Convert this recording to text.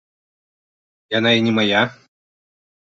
Яна і не мая.